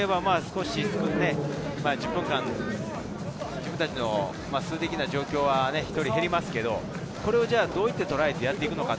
逆に言えば１０分間、自分たちの数的な状況は１人減りますけれど、これをどうやってとらえてやっていくのか。